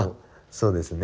そうですね。